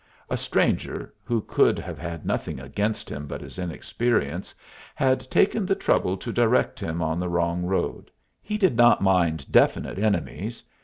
A stranger, who could have had nothing against him but his inexperience, had taken the trouble to direct him on the wrong road. He did not mind definite enemies.